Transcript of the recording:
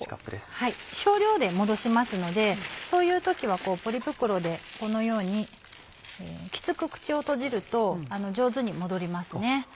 少量で戻しますのでそういう時はこうポリ袋でこのようにきつく口を閉じると上手に戻ります。